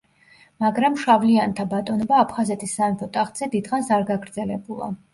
მაგრამ შავლიანთა ბატონობა აფხაზეთის სამეფო ტახტზე დიდხანს არ გაგრძელებულა.